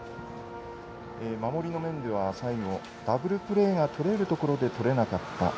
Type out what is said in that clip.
守りの面では最後ダブルプレーがとれるところでとれなかった。